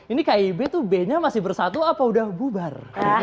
ini kib itu b nya masih bersatu apa udah bubar